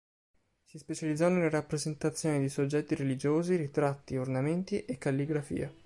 Si specializzò nella rappresentazione di soggetti religiosi, ritratti, ornamenti e calligrafia.